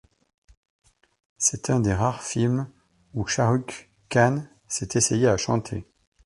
C'est un des rares films où Shahrukh Khan s'est essayé à chanter.